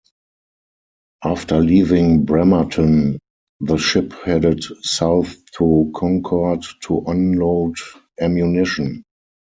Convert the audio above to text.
After leaving Bremerton, the ship headed south to Concord to onload ammunition.